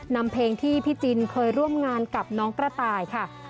นำเพลงที่พี่จินเคยร่วมงานกับน้องกระต่ายค่ะ